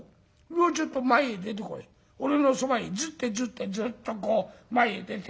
俺のそばへずってずってずっとこう前へ出て。